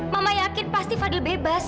mama yakin pasti fadil bebas